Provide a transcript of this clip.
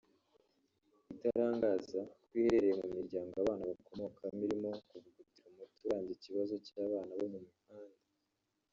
itarangaza ko ihereye mu miryango abana bakomokamo irimo kuvugutira umuti urambye ikibazo cy’abana bo mu muhanda